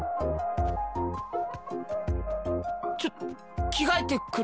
ちょ着替えてくる。